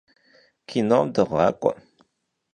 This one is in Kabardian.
Kinom dığak'ue.